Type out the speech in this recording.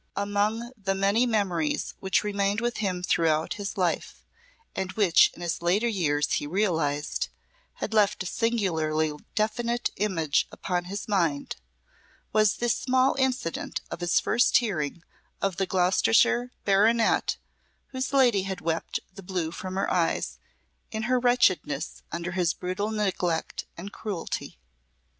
Among the many memories which remained with him throughout his life, and which in his later years he realised, had left a singularly definite image upon his mind, was this small incident of his first hearing of the Gloucestershire baronet whose lady had wept the blue from her eyes in her wretchedness under his brutal neglect and cruelty.